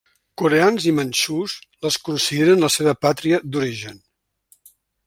Coreans i manxús les consideren la seva pàtria d'origen.